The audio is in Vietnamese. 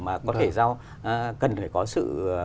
mà có thể giao cần phải có sự